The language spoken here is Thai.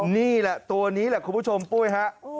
นี่แหละตัวนี้แหละคุณผู้ชมปุ้ยฮะ